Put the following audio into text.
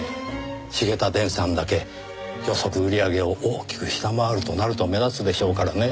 繁田電産だけ予測売り上げを大きく下回るとなると目立つでしょうからねぇ。